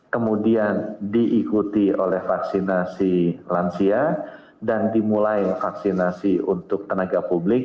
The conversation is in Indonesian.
kemudian diikuti oleh vaksinasi lansia dan dimulai vaksinasi untuk tenaga publik